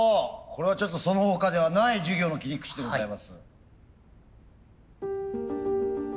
これはちょっとその他ではない授業の切り口でございます。